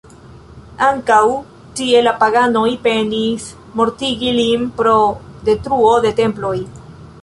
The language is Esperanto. Ankaŭ tie la paganoj penis mortigi lin pro detruo de temploj.